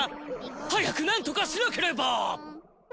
早くなんとかしなければ！